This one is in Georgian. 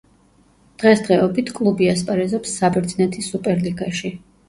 დღესდღეობით კლუბი ასპარეზობს საბერძნეთის სუპერლიგაში.